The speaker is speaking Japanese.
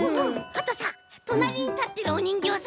あとさとなりにたってるおにんぎょうさん